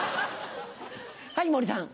はい森さん。